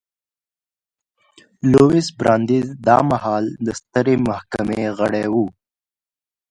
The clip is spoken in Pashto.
لویس براندیز دا مهال د سترې محکمې غړی و.